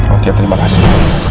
oh iya terima kasih